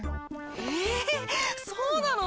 えっそうなの！？